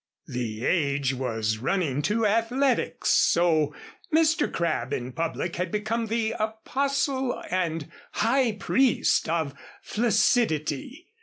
The age was running to athletics, so Mr. Crabb in public had become the apostle and high priest of flaccidity.